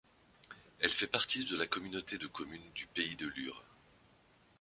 Elle fait partie de la communauté de communes du Pays de Lure.